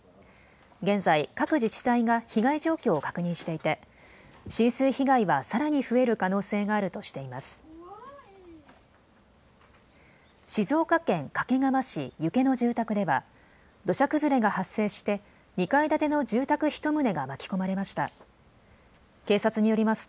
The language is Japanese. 現在、各自治体が被害状況を確認していて浸水被害はさらに増える可能性があるとしています。